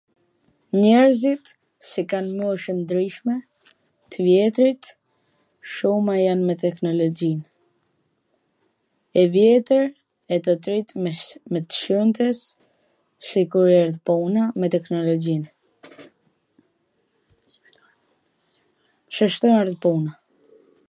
njerzit si kan mosh ndryshme, t vjetrit shuma jan me teknologjin e vjetwr e tw drejtwn e sw shumtws sikur erdh puna me teknologjin shishto erdh puna